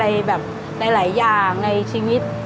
มีอะไรแบบหลายอย่างในชีวิต